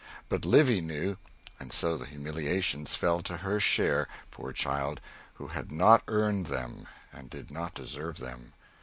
But Livy knew; and so the humiliations fell to her share, poor child, who had not earned them and did not deserve them.